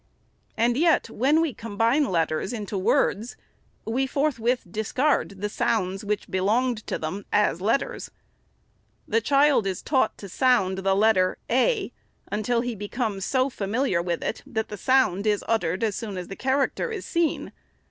And yet, when we combine letters into words, we forthwith discard the sounds which belonged to them as letters. The child is taught to sound the letter a, until he becomes so familiar with it, that the sound is uttered as soon as the character is seen.